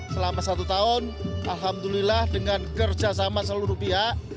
selama satu tahun alhamdulillah dengan kerjasama seluruh pihak